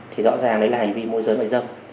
thì rõ ràng đấy là hành vi môi giới mại dâm